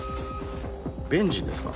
ベンジンですか。